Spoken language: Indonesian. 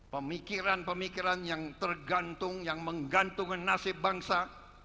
pemikiran pemikiran yang tergantung yang menggantungkan nasib bangsa